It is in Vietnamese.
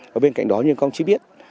và bên cạnh đó như các ông chỉ biết